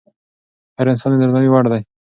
هر انسان د درناوي وړ دی.